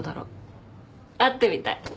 会ってみたい。